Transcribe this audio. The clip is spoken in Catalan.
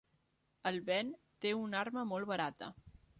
En Ben té una arma molt barata.